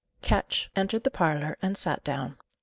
Ketch entered the parlour, and sat down.